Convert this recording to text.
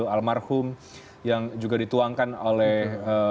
almarhum yang juga dituangkan oleh